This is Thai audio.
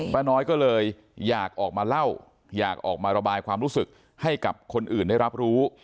ป้าน้อยก็เลยอยากออกมาเล่าอยากออกมาระบายความรู้สึกให้กับคนอื่นได้รับรู้